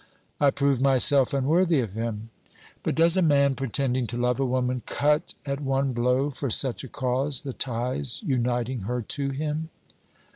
'I proved myself unworthy of him.' But does a man pretending to love a woman cut at one blow, for such a cause, the ties uniting her to him?